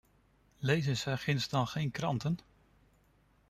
Lezen zij ginds dan geen kranten?